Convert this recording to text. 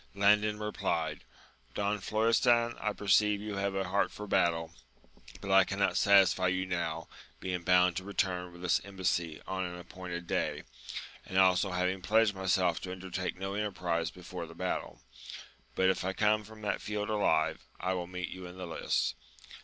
Landin replied, Don Florestan, I perceive you have a heart for battle, but I cannot satisfy you now, being bound to return with this embassy on an appointed day, and also having pledged myself to undertake no enterprize before the battle ; but, if I come from that field alive, I will meet you in the lists.